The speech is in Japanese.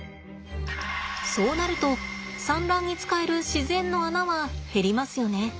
そうなると産卵に使える自然の穴は減りますよね。